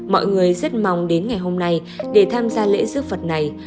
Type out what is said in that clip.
mọi người rất mong đến ngày hôm nay để tham gia lễ giúp phật này